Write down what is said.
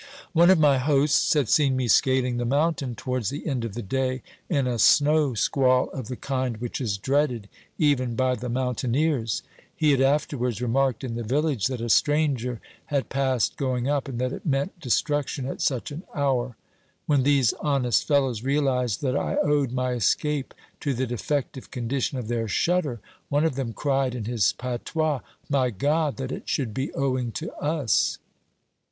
One of my hosts had seen me scaling the mountain towards the end of the day in a snow squall of the kind OBERMANN 399 which is dreaded even by the mountaineers ; he had afterwards remarked in the village that a stranger had passed going up, and that it meant destruction at such an hour. When these honest fellows realised that I owed my escape to the defective condition of their shutter, one of them cried in his patois :" My God, that it should be owing to us